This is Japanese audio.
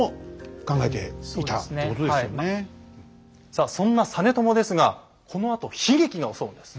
さあそんな実朝ですがこのあと悲劇が襲うんです。